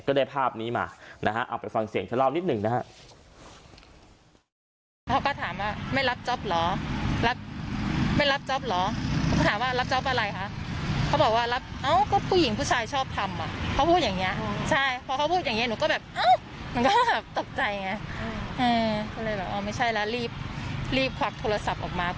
ได้ภาพนี้มานะฮะเอาไปฟังเสียงเธอเล่านิดหนึ่งนะฮะ